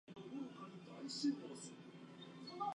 北海道北竜町